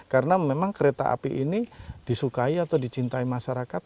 karena memang kereta api ini disukai atau dicintai masyarakat